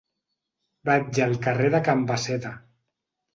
Vaig al carrer de Can Basseda.